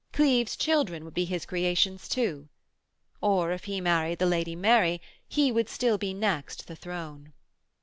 Cleves children would be his creations too. Or if he married the Lady Mary he would still be next the throne.